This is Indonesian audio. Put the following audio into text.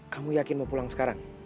kamu yakin mau pulang sekarang